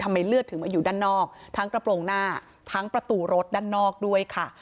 เลือดถึงมาอยู่ด้านนอกทั้งกระโปรงหน้าทั้งประตูรถด้านนอกด้วยค่ะ